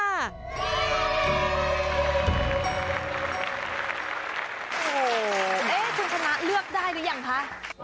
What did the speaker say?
เอ๊คุณคณะเลือกได้หรือยังคะ